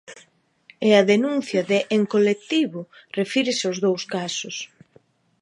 E a denuncia de En-Colectivo refírese aos dous casos.